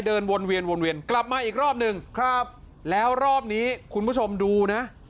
เดินวนเวียนวนเวียนกลับมาอีกรอบหนึ่งครับแล้วรอบนี้คุณผู้ชมดูนะ